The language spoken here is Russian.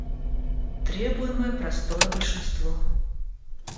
Требуемое простое большинство.